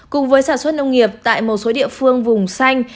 cùng với sản xuất nông nghiệp tại một số địa phương vùng xanh